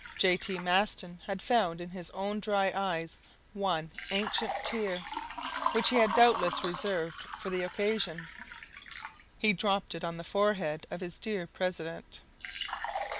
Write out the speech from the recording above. J. T. Maston had found in his own dry eyes one ancient tear, which he had doubtless reserved for the occasion. He dropped it on the forehead of his dear president.